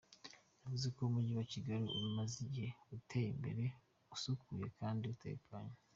Yavuze ko Umujyi wa Kigali umaze igihe, uteye imbere, usukuye kandi utekanye.